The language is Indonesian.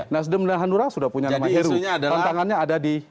nasdem dan hanura sudah punya nama heru tantangannya ada di